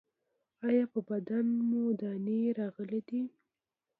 ایا په بدن مو دانې راغلي دي؟